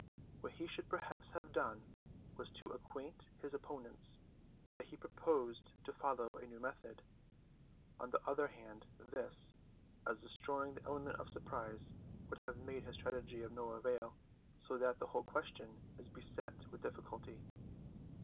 What he should perhaps have done was to acquaint his opponents that he proposed to follow a new method. On the other hand, this, as destroying the element of surprise, would have made his strategy of no avail, so that the whole question is beset with difficulties.